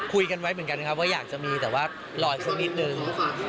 คุยกันไว้เหมือนกันครับว่าอยากจะมีแต่ว่ารออีกสักนิดนึง